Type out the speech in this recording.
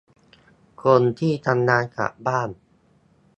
คนที่ทำงานจากบ้าน